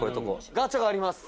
「ガチャがあります」